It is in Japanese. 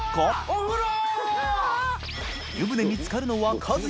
お風呂！